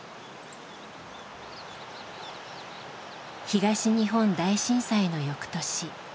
東日本大震災の翌年。